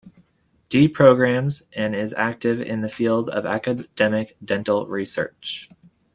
D programs, and is active in the field of academic dental research.